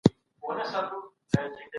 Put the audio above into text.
فابریکې څنګه د محصولاتو توزیع تنظیموي؟